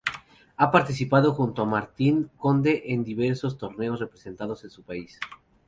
Ha participado junto a Martín Conde en diversos torneos representando a su país.